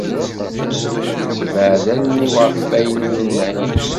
Ssebɛed allen-iw ɣef wayen ur nemɛin.